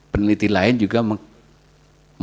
peneliti lain juga mengembangkan